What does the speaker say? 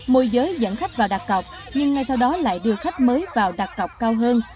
môi giới dẫn khách vào đặt cọc nhưng ngay sau đó lại đưa khách mới vào đặt cọc cao hơn